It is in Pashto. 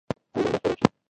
آیا جنګ به سوله شي؟